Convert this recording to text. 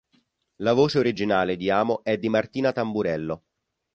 La voce originale di Amo è di Martina Tamburello.